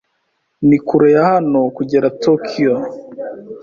Ni kure ya hano kugera Tokiyo.